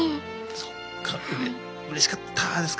そっかうれしかったですか？